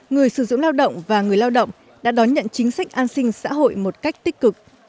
người sử dụng lao động và người lao động đã đón nhận chính sách an sinh xã hội một cách tích cực